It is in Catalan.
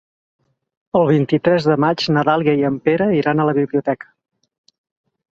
El vint-i-tres de maig na Dàlia i en Pere iran a la biblioteca.